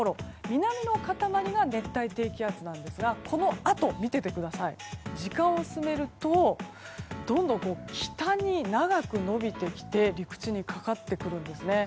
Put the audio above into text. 南の塊が熱帯低気圧なんですがこのあと時間を進めると、どんどん北に長く伸びてきて陸地にかかってくるんですね。